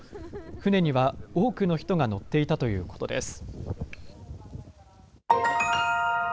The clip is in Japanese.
船には多くの人が乗っていたということです。